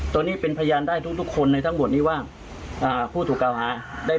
ตัวนี้เป็นพยานได้ทุกทุกคนในทั้งหมดนี้ว่าผู้ถูกกล่าวหาได้